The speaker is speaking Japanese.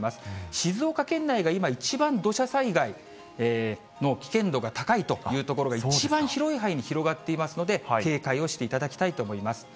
静岡県内が今、一番土砂災害の危険度が高いという所が、一番広い範囲に広がっていますので、警戒をしていただきたいと思います。